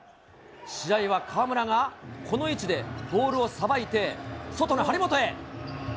試合は河村がこの位置でボールをさばいて、外の張本へ。